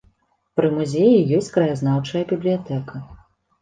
Пры музеі ёсць краязнаўчая бібліятэка.